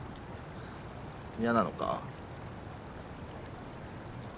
嫌なのか。